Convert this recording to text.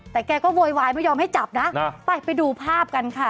แต่แกก็โวยวายไม่ยอมให้จับนะไปไปดูภาพกันค่ะ